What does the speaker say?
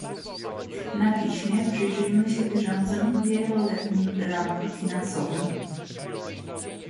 na piśmie - Przyjrzyjmy się bieżącym wieloletnim ramom finansowym